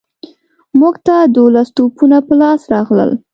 موږ ته دوولس توپونه په لاس راغلل.